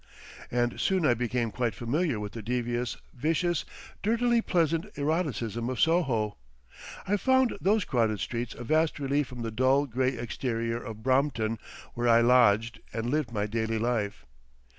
And soon I became quite familiar with the devious, vicious, dirtily pleasant eroticism of Soho. I found those crowded streets a vast relief from the dull grey exterior of Brompton where I lodged and lived my daily life.